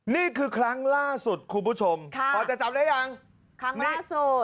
นี่คือครั้งล่าสุดคุณผู้ชมค่ะพอจะจำได้ยังครั้งหน้าโสด